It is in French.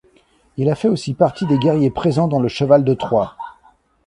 Il a fait aussi partie des guerriers présents dans le cheval de Troie.